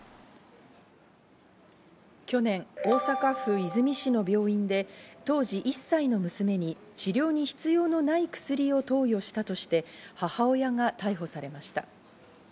去年、大阪府和泉市の病院で当時１歳の娘に治療に必要のない薬を投与したとして、母親が逮捕されました。